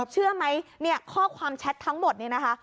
เชื่อไหมเนี่ยข้อความแชททั้งหมดนี้นะคะ